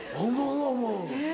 思う思う。